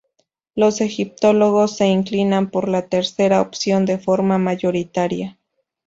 Los egiptólogos se inclinan por la tercera opción de forma mayoritaria.